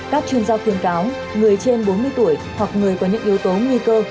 các chuyên gia khuyên cáo người trên bốn mươi tuổi hoặc người có những yếu tố nguy cơ